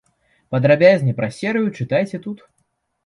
Падрабязней пра серыю чытайце тут.